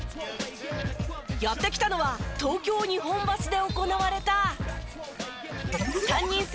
やって来たのは東京日本橋で行われた３人制